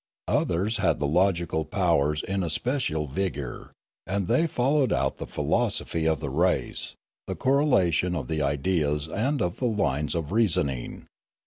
Others had the logical powers in especial vigour; and they followed out the philosophy of the race, the correlatipn of the ideas and of the lines of reasoning.